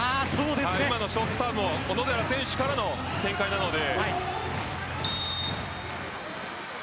今のショートサーブも小野寺選手からの展開なので。